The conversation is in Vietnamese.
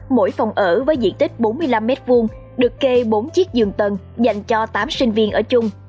mỗi phòng ở với diện tích bốn mươi năm m hai được kê bốn chiếc giường tầng dành cho tám sinh viên ở chung